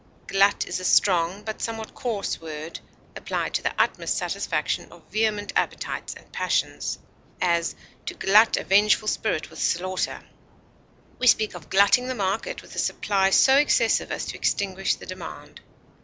Glut is a strong but somewhat coarse word applied to the utmost satisfaction of vehement appetites and passions; as, to glut a vengeful spirit with slaughter; we speak of glutting the market with a supply so excessive as to extinguish the demand.